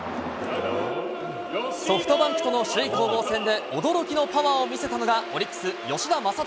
ソフトバンクとの首位攻防戦で驚きのパワーを見せたのが、オリックス、吉田正尚。